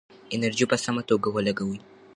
انرژي په سمه توګه ولګوئ.